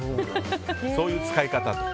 そういう使い方だと。